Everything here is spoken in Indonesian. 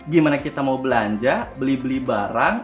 gimana kita mau belanja beli beli barang